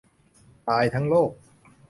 ตายทั้งโลก